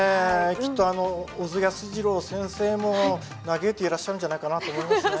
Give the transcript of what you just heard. きっとあの小津安二郎先生も嘆いていらっしゃるんじゃないかなと思いますね。